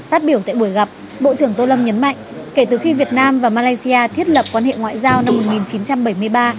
phát biểu tại buổi gặp bộ trưởng tô lâm nhấn mạnh kể từ khi việt nam và malaysia thiết lập quan hệ ngoại giao năm một nghìn chín trăm bảy mươi ba